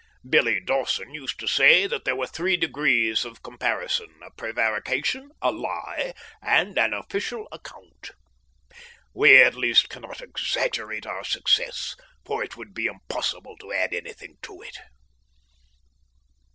Billy Dawson used to say that there were three degrees of comparison a prevarication, a lie, and an official account. We at least cannot exaggerate our success, for it would be impossible to add anything to it.